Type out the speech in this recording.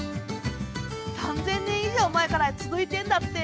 ３０００年以上前から続いてんだって。